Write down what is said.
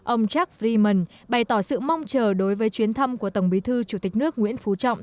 ông charles freemen bày tỏ sự mong chờ đối với chuyến thăm của tổng bí thư chủ tịch nước nguyễn phú trọng